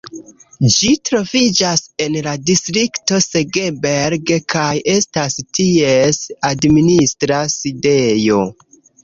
Ĝi troviĝas en la distrikto Segeberg, kaj estas ties administra sidejo.